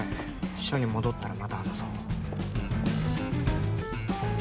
署に戻ったらまた話そう。